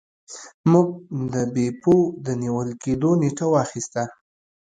موږ د بیپو د نیول کیدو نیټه واخیسته.